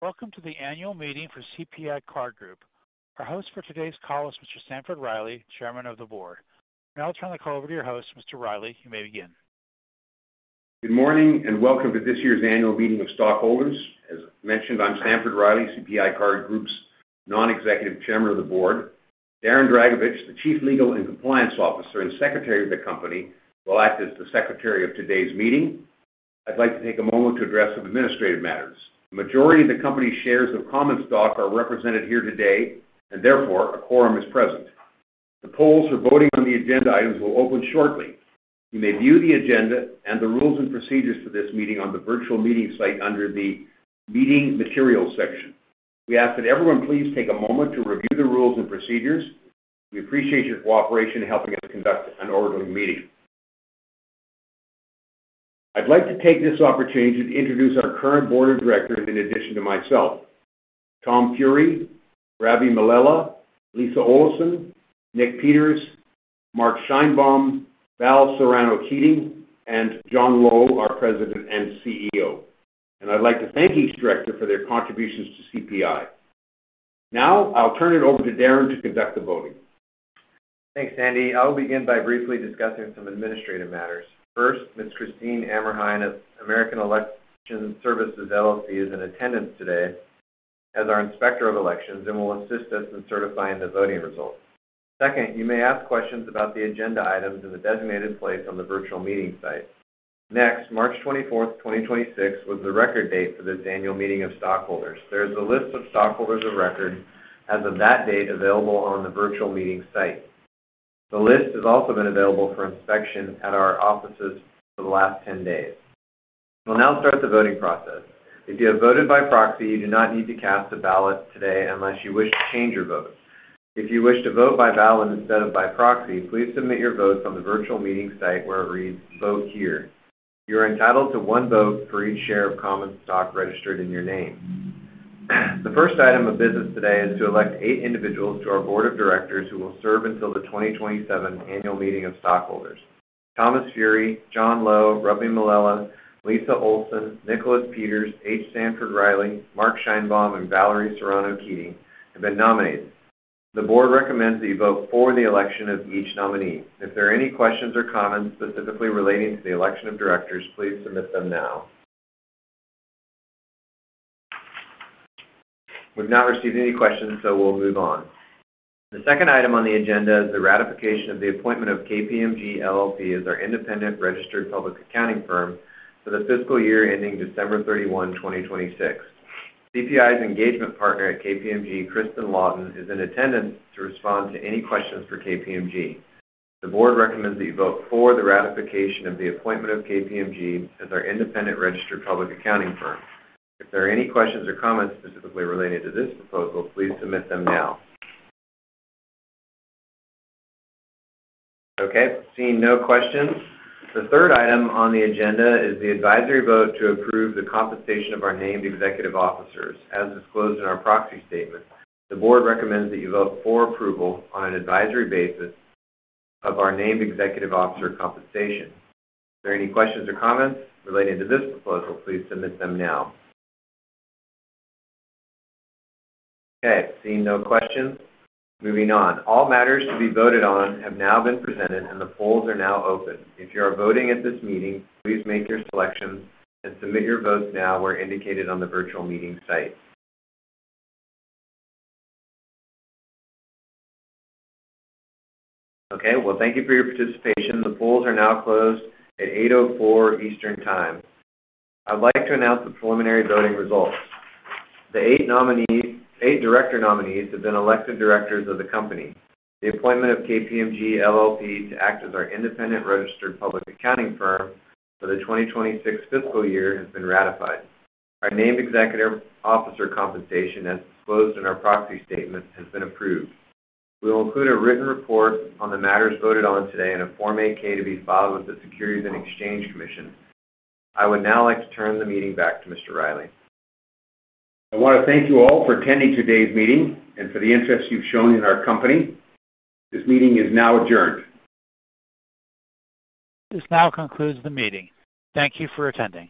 Welcome to the annual meeting for CPI Card Group. Our host for today's call is [Mr. Sanford Riley], Chairman of the Board. I'll now turn the call over to your host. [Riley], you may begin. Good morning, and welcome to this year's annual meeting of stockholders. As mentioned, I'm [Sanford Riley], CPI Card Group's Non-Executive Chairman of the Board. Darren Dragovich, the Chief Legal and Compliance Officer and Secretary of the company, will act as the Secretary of today's meeting. I'd like to take a moment to address some administrative matters. The majority of the company's shares of common stock are represented here today, therefore, a quorum is present. The polls for voting on the agenda items will open shortly. You may view the agenda and the rules and procedures for this meeting on the virtual meeting site under the Meeting Materials section. We ask that everyone please take a moment to review the rules and procedures. We appreciate your cooperation in helping us conduct an orderly meeting. I’d like to take this opportunity to introduce our current board of directors in addition to myself. [Tom Furey], Ravi Mallela, Lisa Oleson, [Nick Peters], Marc Sheinbaum, [Val Soranno Keating], and John Lowe, our President and [CEO]. I’d like to thank each director for their contributions to CPI. Now, I’ll turn it over to [Darren] to conduct the voting. Thanks, Sandy. I'll begin by briefly discussing some administrative matters. First, Ms. Christine Amrhein of American Election Services, LLC is in attendance today as our inspector of elections and will assist us in certifying the voting results. Second, you may ask questions about the agenda items in the designated place on the virtual meeting site. March 24th, 2026, was the record date for this annual meeting of stockholders. There is a list of stockholders of record as of that date available on the virtual meeting site. The list has also been available for inspection at our offices for the last 10 days. We'll now start the voting process. If you have voted by proxy, you do not need to cast a ballot today unless you wish to change your vote. If you wish to vote by ballot instead of by proxy, please submit your votes on the virtual meeting site where it reads Vote Here. You're entitled to one vote for each share of common stock registered in your name. The first item of business today is to elect eight individuals to our board of directors who will serve until the 2027 annual meeting of stockholders. Thomas Furey, John Lowe, Ravi Mallela, Lisa Oleson, Nicholas Peters, [H. Sanford Riley], Marc Sheinbaum, and Valerie Soranno Keating have been nominated. The board recommends that you vote for the election of each nominee. If there are any questions or comments specifically relating to the election of directors, please submit them now. We've not received any questions, so we'll move on. The second item on the agenda is the ratification of the appointment of KPMG LLP as our independent registered public accounting firm for the fiscal year ending December 31, 2026. CPI's engagement partner at KPMG, Kristen Lawton, is in attendance to respond to any questions for KPMG. The board recommends that you vote for the ratification of the appointment of KPMG as our independent registered public accounting firm. If there are any questions or comments specifically relating to this proposal, please submit them now. Okay, seeing no questions. The third item on the agenda is the advisory vote to approve the compensation of our named executive officers as disclosed in our proxy statement. The board recommends that you vote for approval on an advisory basis of our named executive officer compensation. If there are any questions or comments relating to this proposal, please submit them now. Okay, seeing no questions, moving on. All matters to be voted on have now been presented, and the polls are now open. If you are voting at this meeting, please make your selections and submit your vote now where indicated on the virtual meeting site. Okay. Well, thank you for your participation. The polls are now closed at 8:04 P.M. Eastern Time. I'd like to announce the preliminary voting results. The eight director nominees have been elected directors of the company. The appointment of KPMG LLP to act as our independent registered public accounting firm for the 2026 fiscal year has been ratified. Our named executive officer compensation, as disclosed in our proxy statement, has been approved. We will include a written report on the matters voted on today in a Form 8-K to be filed with the Securities and Exchange Commission. I would now like to turn the meeting back to Mr. Riley. I want to thank you all for attending today's meeting and for the interest you've shown in our company. This meeting is now adjourned. This now concludes the meeting. Thank you for attending.